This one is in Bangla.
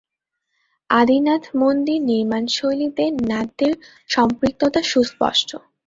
আদিনাথ মন্দির নির্মাণশৈলীতে নাথদের সম্পৃক্ততা সুস্পষ্ট।